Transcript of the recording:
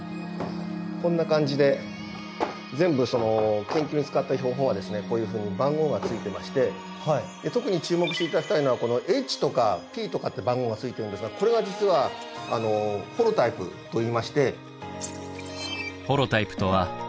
こんな感じで全部研究に使った標本はこういうふうに番号がついてまして特に注目して頂きたいのはこのＨとかＰとかって番号がついてるんですがこれが実はホロタイプといいまして。